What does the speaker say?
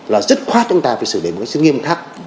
là dứt khoát chúng ta phải xử lý một sự nghiêm khắc